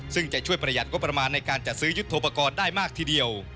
ซึ่งจะช่วยประหยัดงบประมาณในการจัดซื้อยุทธโปรกรณ์ได้มากทีเดียว